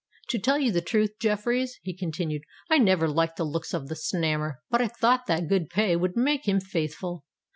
"To tell you the truth, Jeffreys," he continued, "I never liked the looks of the Snammer: but I thought that good pay would make him faithful.